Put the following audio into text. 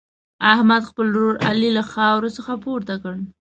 احمد، خپل ورور علي له خاورو څخه پورته کړ.